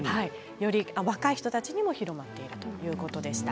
若い人たちにも広まっているということでした。